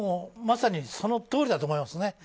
まさにそのとおりだと思います。